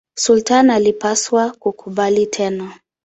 Sultani alipaswa kukubali tena.